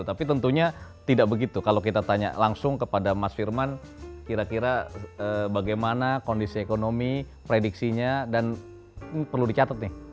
tapi tentunya tidak begitu kalau kita tanya langsung kepada mas firman kira kira bagaimana kondisi ekonomi prediksinya dan perlu dicatat nih